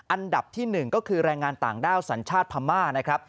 อันดับที่๑ก็คือแรงงานต่างด้าวสัญชาติพม่านะครับ